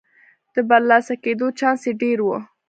د برلاسه کېدو چانس یې ډېر و.